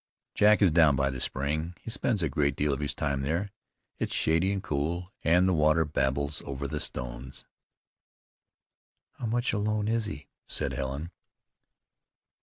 "Jack is down by the spring. He spends a great deal of his time there. It's shady and cool, and the water babbles over the stones." "How much alone he is," said Helen.